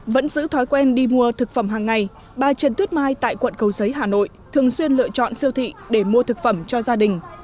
vẫn giữ thói quen đi mua thực phẩm hàng ngày bà trần tuyết mai tại quận cầu giấy hà nội thường xuyên lựa chọn siêu thị để mua thực phẩm cho gia đình